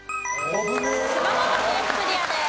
熊本県クリアです。